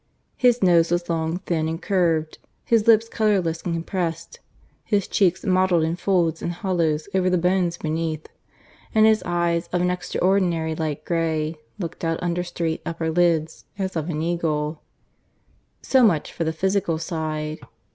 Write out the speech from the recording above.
His nose was long, thin, and curved; his lips colourless and compressed; his cheeks modelled in folds and hollows over the bones beneath; and his eyes, of an extraordinary light grey, looked out under straight upper lids, as of an eagle. So much for the physical side.